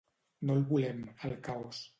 No el volem, el caos.